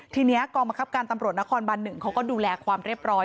ทีนี้กองบังคับการตำรวจนครบัน๑เขาก็ดูแลความเรียบร้อย